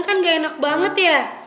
kan gak enak banget ya